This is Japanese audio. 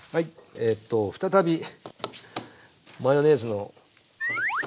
えと再びマヨネーズの登場です。